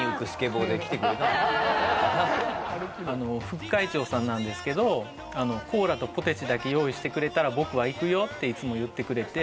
副会長さんなんですけどコーラとポテチだけ用意してくれたら僕は行くよっていつも言ってくれて。